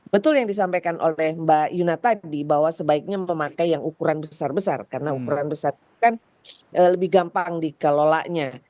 betul yang disampaikan oleh mbak yuna tadi bahwa sebaiknya memakai yang ukuran besar besar karena ukuran besar kan lebih gampang dikelolanya